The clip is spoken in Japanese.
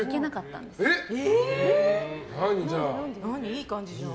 いい感じじゃん。